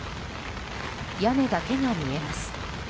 屋根だけが見えます。